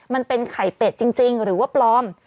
มันเป็นไข่เป็ดจริงหรือว่าปลอม